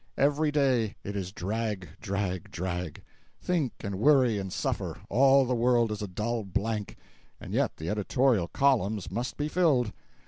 Every day, it is drag, drag, drag—think, and worry and suffer—all the world is a dull blank, and yet the editorial columns must be filled.